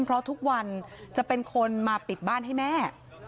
เพราะทุกวันจะเป็นคนมาปิดบ้านให้แม่